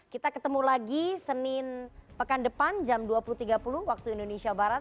kita ketemu lagi senin pekan depan jam dua puluh tiga puluh waktu indonesia barat